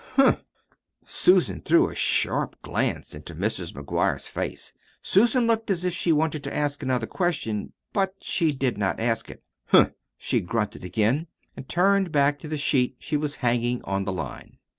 "Humph!" Susan threw a sharp glance into Mrs. McGuire's face. Susan looked as if she wanted to ask another question. But she did not ask it. "Humph!" she grunted again; and turned back to the sheet she was hanging on the line.